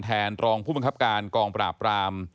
รองผู้บังคับการกองปราบราม